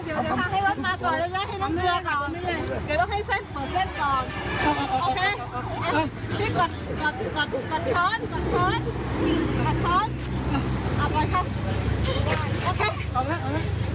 ไปยังเดี๋ยว